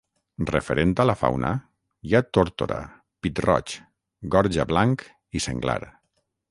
Referent a la fauna, hi ha tórtora, pit-roig, gorja blanc i senglar.